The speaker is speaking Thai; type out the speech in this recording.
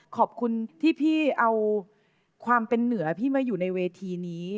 ขอบคุณที่พี่เอาความเป็นเหนือพี่มาอยู่ในเวทีนี้